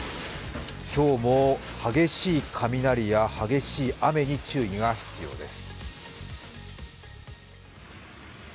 今日も激しい雷や激しい雨に注意が必要です。